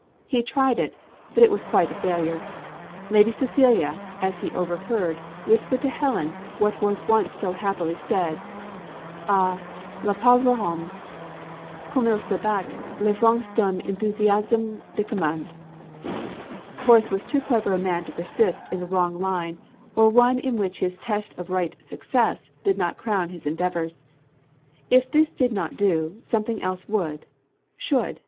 He tried it but it was quite a failure; Lady Cecilia, as he overheard, whispered to Helen what was once so happily said "Ah! le pauvre homme! comme il se batte les flancs d'un enthousiasme de commande." Horace was too clever a man to persist in a wrong line, or one in which his test of right success did not crown his endeavours. If this did not do, something else would should.